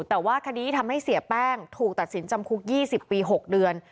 แต่ว่าคดีทำให้เสียแป้งถูกตัดสินจำคุก๒๐ปี๖เดือน